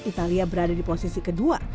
italia berada di posisi kedua